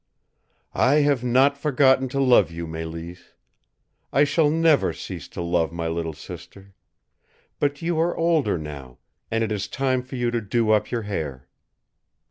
"I have not forgotten to love you, Mélisse. I shall never cease to love my little sister. But you are older now, and it is time for you to do up your hair."